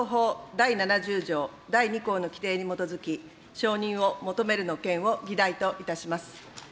第２項の規定に基づき、承認を求める件を議題といたします。